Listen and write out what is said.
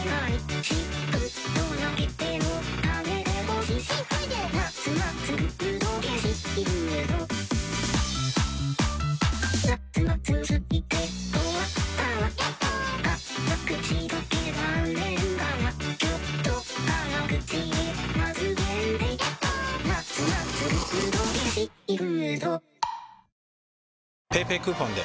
本当にＰａｙＰａｙクーポンで！